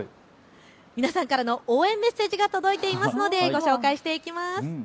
皆さんからの応援メッセージが届いているのでご紹介していきます。